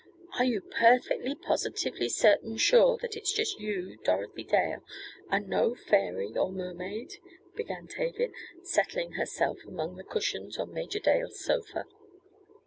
"Are you perfectly positive, certain, sure, that it's just you, Dorothy Dale, and no fairy or mermaid," began Tavia, settling herself among the cushions on Major Dale's sofa.